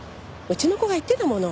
うちの子が言ってたもの。